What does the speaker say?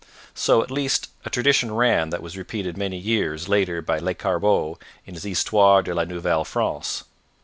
So, at least, a tradition ran that was repeated many years later by Lescarbot in his Histoire de la Nouvelle France.